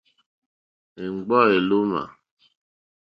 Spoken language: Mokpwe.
Éŋɡbá èlómà.